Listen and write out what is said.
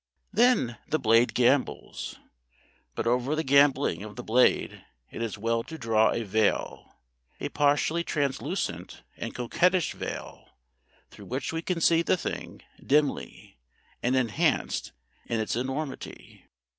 Then the Blade gambles; but over the gambling of the Blade it is well to draw a veil a partially translucent and coquettish veil, through which we can see the thing dimly, and enhanced in its enormity.